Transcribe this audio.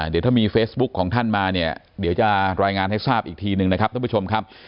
เดี๋ยวถ้ามีเฟซบุ๊คของท่านมาเนี่ยเดี๋ยวจะรายงานให้ทราบอีกทีหนึ่งนะครับท่านผู้ชมครับ